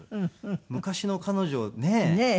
昔の彼女ねえ。